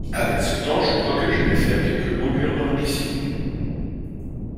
Avec ce temps, je crois que je vais faire quelques longueurs dans la piscine.